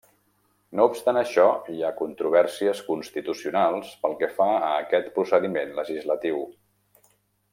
No obstant això, hi ha controvèrsies constitucionals pel que fa a aquest procediment legislatiu.